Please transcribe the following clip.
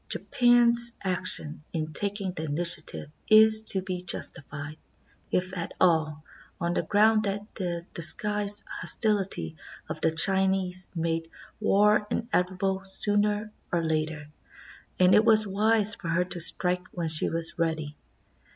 Japan's action in tak ing the initiative is to be justified, if at all, on the ground that the disguised hostility of the Chinese made war in evitable sooner or later, and it was wise for her to strike when she was ready.